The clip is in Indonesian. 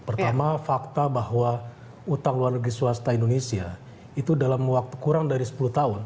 pertama fakta bahwa utang luar negeri swasta indonesia itu dalam kurang dari sepuluh tahun